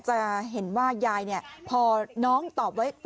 จะเห็นว่ายายพอน้องตอบไว้